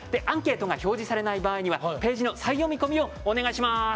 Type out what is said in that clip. アンケートが表示されない場合はページの再読み込みをお願いします。